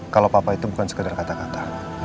kalau papa itu bukan sekedar kata kata